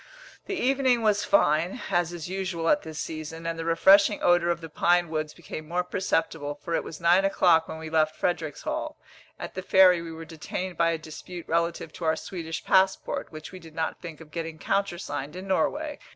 The evening was fine, as is usual at this season, and the refreshing odour of the pine woods became more perceptible, for it was nine o'clock when we left Fredericshall. At the ferry we were detained by a dispute relative to our Swedish passport, which we did not think of getting countersigned in Norway.